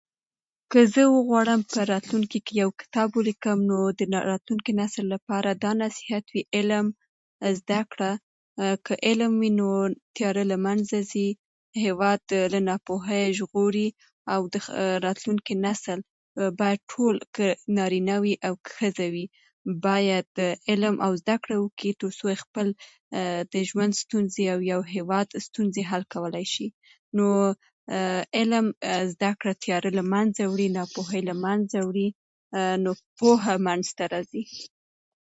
که زه وغواړم په راتلونکې کې یو کتاب ولیکم، نو د راتلونکي نسل لپاره دا نصیحت وي: علم زده کړه، که علم وي، نو تیاره له منځه ځي، هېواد له ناپوهۍ ژغوري، او د راتلونکي نسل باید ټول، که نارینه وي او ښځه وي، باید د علم او زده کړه وکړي، تر څو خپل د خپل ژوند ستونزې او د خپل هېواد ستونزې حل کولای شي. نو علم زده کړه تیاره له منځه وړي، ناپوهي له منځه وړي، نو پوهه منځته راځي.